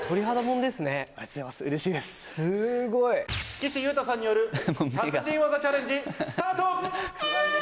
岸優太さんによる達人技チャレンジスタート！